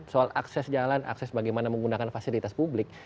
soal akses jalan akses bagaimana menggunakan fasilitas publik